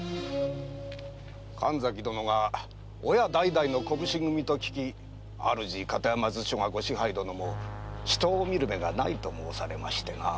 神崎殿が親代々の小普請組と聞き主・片山図書が御支配殿も「人を見る目がない」と申されましてな。